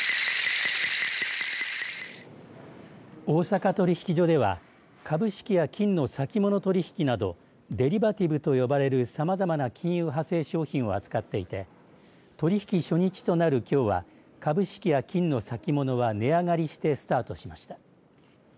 大阪取引所では株式や金の先物取引などデリバティブと呼ばれるさまざまな金融派生商品を扱っていて取り引き初日となるきょうは株式や金の先物は、値上がりしてスタートしました。